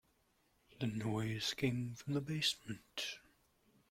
The noise came from the basement.